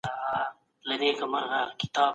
د مطالعې فرهنګ باید له کوره پیل سي.